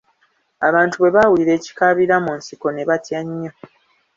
Abantu bwe baawulira ekikaabira mu nsiko ne batya nnyo!